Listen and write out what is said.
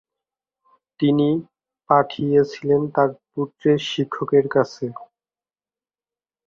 তিনি পাঠিয়েছিলেন তাঁর পুত্রের শিক্ষকের কাছে।